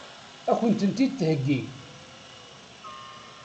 Ad kent-ten-id-theggi?